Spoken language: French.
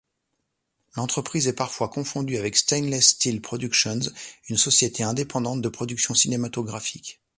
L'entreprise est parfois confondue avec Stainless Steal Productions, une société indépendante de production cinématographique.